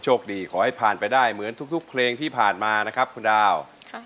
ขอให้ผ่านไปได้เหมือนทุกเพลงที่ผ่านมานะครับคุณดาว